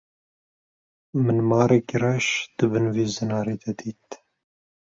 Min marekî reş di bin vî zinarî de dît.